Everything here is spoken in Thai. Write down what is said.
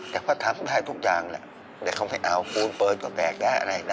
แต่ว่าทำไมเราไม่รับละครับ